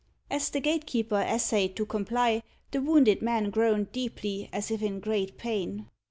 As the gatekeeper essayed to comply, the wounded man groaned deeply, as if in great pain.